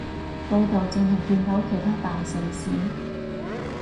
報導淨係見到其他大城市